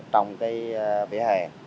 trong cái vỉa hè